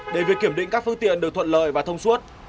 để việc kiểm định các phương tiện được thuận lợi và thông suốt